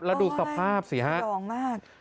แล้วดูสภาพสิฮะดองมาก